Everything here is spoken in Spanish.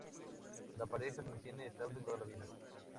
La pareja se mantiene estable toda la vida.